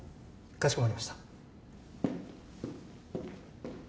かしこまりました。